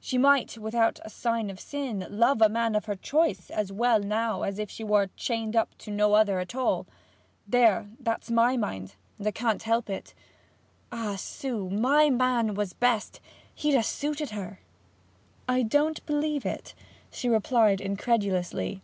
She might, without a sign of sin, love a man of her choice as well now as if she were chained up to no other at all. There, that's my mind, and I can't help it. Ah, Sue, my man was best! He'd ha' suited her.' 'I don't believe it,' she replied incredulously.